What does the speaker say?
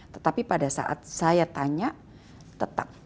tetapi pada saat saya tanya tetap